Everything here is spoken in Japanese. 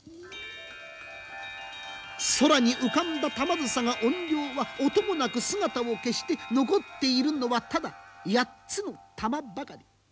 空に浮かんだ玉梓が怨霊は音もなく姿を消して残っているのはただ八つの珠ばかり。